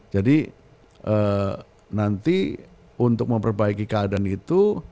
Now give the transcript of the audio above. jadi nanti untuk memperbaiki keadaan itu